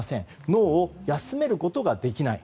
脳を休めることができない。